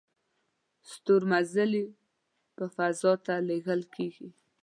ستورمزلي په فضا ته لیږل کیږي